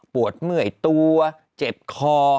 ปวดเมื่อยตัวเจ็บคอ